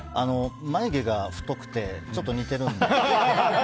眉毛が太くてちょっと似てるんです。